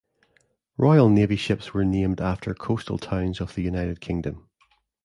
Royal Navy ships were named after coastal towns of the United Kingdom.